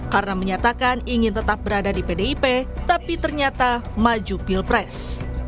karena menyatakan ingin tetap berada di pdip tapi ternyata maju pilpres